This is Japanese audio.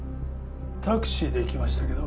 タクシーで行きましたけど。